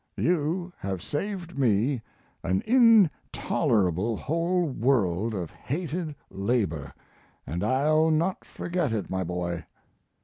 You have saved me an intolerable whole world of hated labor, and I'll not forget it, my boy.